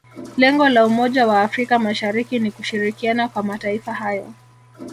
lengo la umoja wa afrika mashariki ni kushirikiana kwa mataifa hayo